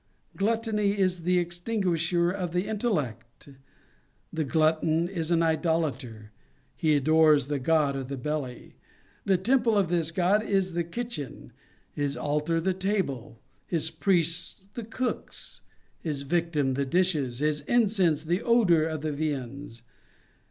Gluttony is the extinguisher of * S. Aug. Confess., lib. x. c. 31. 264 The Sign of the Cross. the intellect. The glutton is an idolater; he adores the god of the belly. The temple of this god is the kitchen; his altar, the table; his priests, the cooks; his victim, the dishes; his incense, the odor of the viands.